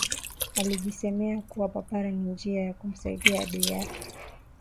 Alijisemea kuwa papara ni njia ya kumsaidia adui yake